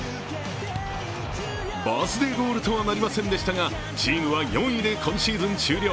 バースデーゴールとはなりませんでしたがチームは４位で今シーズン終了。